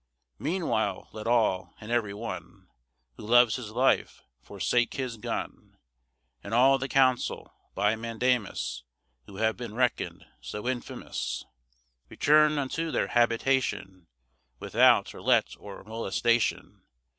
Meanwhile, let all, and every one Who loves his life, forsake his gun; And all the council, by mandamus, Who have been reckoned so infamous, Return unto their habitation, Without or let or molestation.